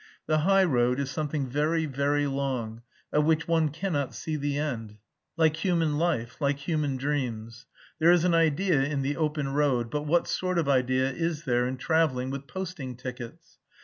The high road is something very very long, of which one cannot see the end like human life, like human dreams. There is an idea in the open road, but what sort of idea is there in travelling with posting tickets?